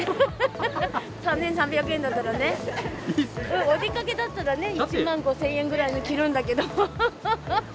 ３３００円ならね、お出かけだったら、１万５０００円ぐらいのを着るんだけど。